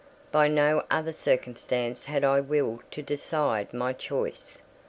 By no other circumstance had I will to decide my choice.